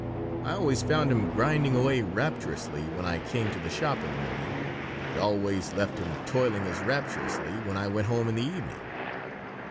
I always found him grinding away rapturously when I came to the shop in the morning, and always left him toiling as rapturously when I went home in the evening.)